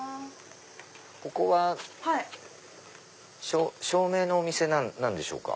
ここは照明のお店なんでしょうか？